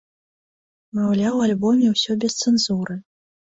Маўляў у альбоме ўсё без цэнзуры.